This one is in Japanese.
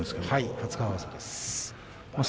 初顔合わせです。